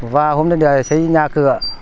và hôm nay xây nhà cửa